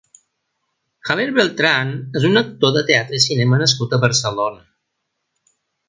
Javier Beltrán és un actor de teatre i cinema nascut a Barcelona.